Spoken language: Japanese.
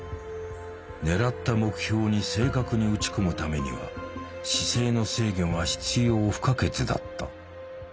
狙った目標に正確に撃ち込むためには姿勢の制御が必要不可欠だった。